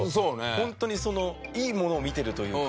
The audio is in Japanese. ホントにそのいいものを見てるというか。